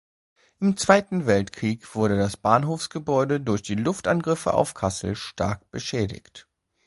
Im Zweiten Weltkrieg wurde das Bahnhofsgebäude durch die Luftangriffe auf Kassel stark beschädigt.